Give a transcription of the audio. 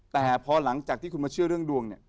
แต่พอหลังจากที่คุณมาเชื่อเรื่องดวงเนี่ย